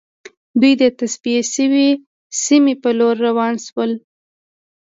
دوی د تصفیه شوې سیمې په لور روان شول